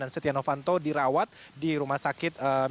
dan setia novanto dirawat di rumah sakit medica